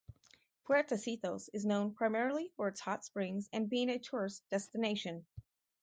Puertecitos is known primarily for its hot springs and being a tourist destination.